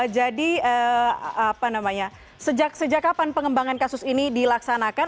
jadi sejak kapan pengembangan kasus ini dilaksanakan